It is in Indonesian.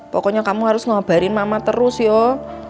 pokoknya kamu harus ngabarin mama terus yo